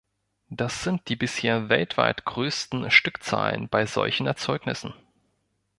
Das sind die bisher weltweit größten Stückzahlen bei solchen Erzeugnissen.